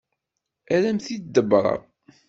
Ad am-t-id-ḍebbreɣ.